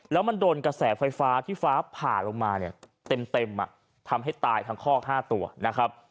แล้วมันโดนกระแสไฟฟ้าที่ฟ้าผ่าลงมาเนี่ยเต็มอ่ะทำให้ตายทั้งคอก๕ตัวนะครับ